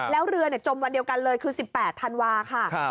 แล้วเรือจมวันเดียวกันเลยคือ๑๘ธันวาค่ะ